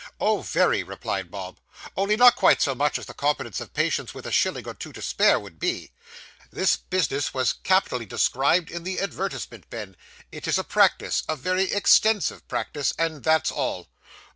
'Oh, very,' replied Bob; 'only not quite so much so as the confidence of patients with a shilling or two to spare would be. This business was capitally described in the advertisement, Ben. It is a practice, a very extensive practice and that's all.